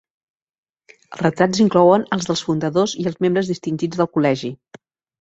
Els retrats inclouen els dels fundadors i els membres distingits del col·legi.